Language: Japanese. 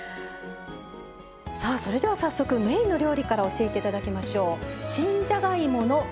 さあそれでは早速メインの料理から教えて頂きましょう。